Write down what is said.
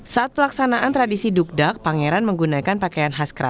saat pelaksanaan tradisi dukdak pangeran menggunakan pakaian khaskrat